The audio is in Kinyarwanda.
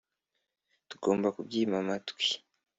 Tugomba kubyima amatwi